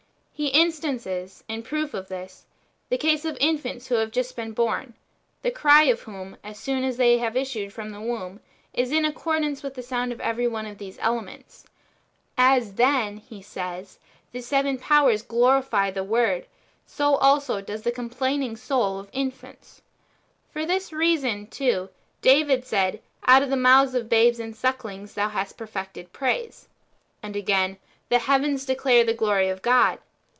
He instances, in proof of this, the case of infants wlio have just been born, the cry of whom, as soon as they have issued from the womb, is in accordance with the sound of every one of these elements. As, then, he says, the seven powers glorify the Word, so also does the complaining soul of infants.^ For this reason, too, David said :" Out of the mouth of babes and sucklings Thou hast perfected praise;""^ and again :" The heavens declare the glory of God."